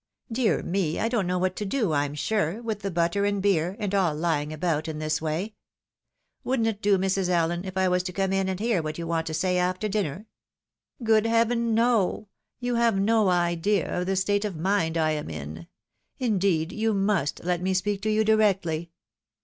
" Dear me ! I don't know what to do, I'm sure, with the butter and beer, and aU lying about in this way. Wouldn't it do Mrs. Allen if I was to come in and hear what you want to say after dinner ?"" Good Heaven, no ! you have no idea of the state of mind I am in ! Indeed, you must let me speak to you directly."